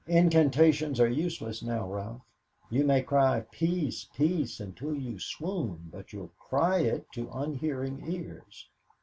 Incantations are useless now, Ralph. You may cry 'Peace! Peace!' until you swoon, but you'll cry it to unhearing ears.